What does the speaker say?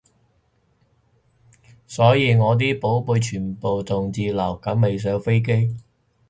所以我啲寶貝全部仲滯留緊未上飛機